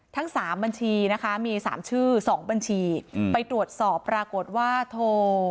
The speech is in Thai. ทั้งสามบัญชีนะคะมี๓ชื่อ๒บัญชีไปตรวจสอบปรากฏว่าโทร